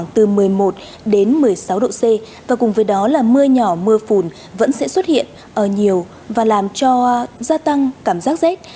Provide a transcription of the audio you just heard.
từ một mươi một đến một mươi sáu độ c và cùng với đó là mưa nhỏ mưa phùn vẫn sẽ xuất hiện ở nhiều và làm cho gia tăng cảm giác rét